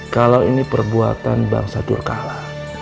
kalau ini perbuatan bangsa durkala